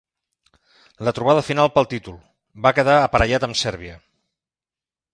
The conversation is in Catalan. La trobada final pel títol, va quedar aparellat amb Sèrbia.